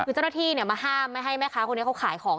คือเจ้าหน้าที่มาห้ามไม่ให้แม่ค้าคนนี้เขาขายของ